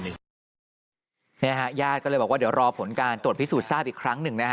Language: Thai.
นี่ฮะญาติก็เลยบอกว่าเดี๋ยวรอผลการตรวจพิสูจน์ทราบอีกครั้งหนึ่งนะฮะ